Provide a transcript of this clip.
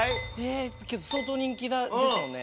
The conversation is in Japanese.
相当人気ですもんね。